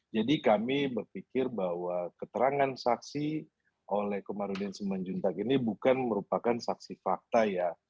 jadi kami berpikir bahwa keterangan saksi oleh kamarudin siman juntak ini bukan merupakan saksi fakta ya